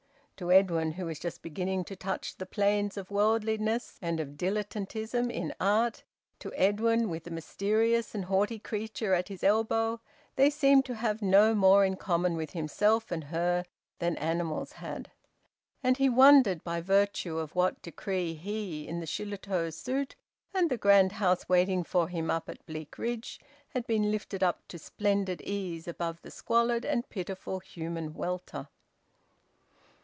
To Edwin, who was just beginning to touch the planes of worldliness and of dilettantism in art, to Edwin, with the mysterious and haughty creature at his elbow, they seemed to have no more in common with himself and her than animals had. And he wondered by virtue of what decree he, in the Shillitoe suit, and the grand house waiting for him up at Bleakridge, had been lifted up to splendid ease above the squalid and pitiful human welter.